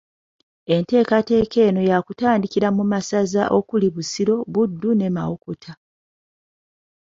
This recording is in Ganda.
Enteekateeka eno yakutandikira mu masaza okuli Busiro, Buddu ne Mawokota